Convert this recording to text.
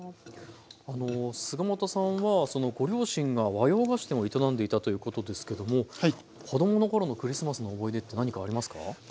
菅又さんはご両親が和洋菓子店を営んでいたということですけども子どもの頃のクリスマスの思い出って何かありますか？